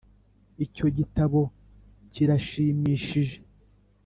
icyo gitabo kirashimishije?